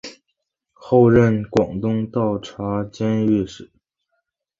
后任掌广东道监察御史。